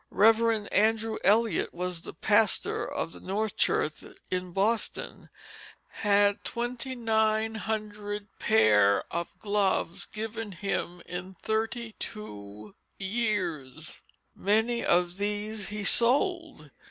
Rev. Andrew Eliot, who was pastor of the North Church in Boston, had twenty nine hundred pair of gloves given him in thirty two years; many of these he sold.